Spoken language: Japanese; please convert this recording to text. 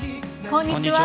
こんにちは。